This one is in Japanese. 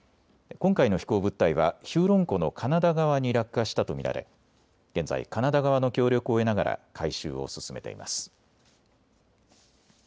今回の飛行物体はヒューロン湖のカナダ側に落下したと見られ現在、カナダ側の協力を得ながら回収を進めています。